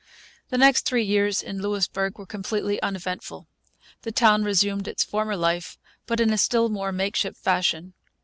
The next three years in Louisbourg were completely uneventful. The town resumed its former life, but in a still more makeshift fashion.